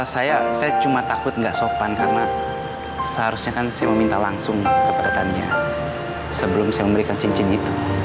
saya cuma takut nggak sopan karena seharusnya kan saya meminta langsung kepada tania sebelum saya memberikan cincin itu